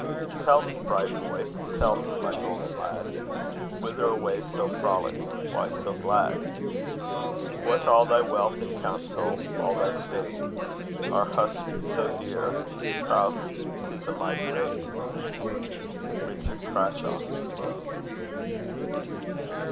Tell me, bright boy, tell me, my golden lad, Whither away so frolic? Why so glad? What all thy wealth in council? all thy state? Are husks so dear? troth, 'tis a mighty rate. RICHARD CRASHAW.